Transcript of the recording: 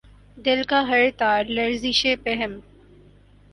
دل کا ہر تار لرزش پیہم